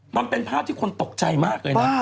มันเป็นภาพที่คนตกใจมากเลยนะ